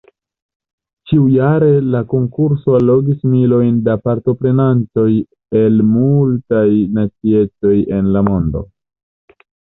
Ĉiujare la konkurso allogis milojn da partoprenantoj el multaj naciecoj en la mondo.